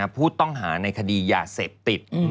ผู้ต้องหาในคดียาเสพติด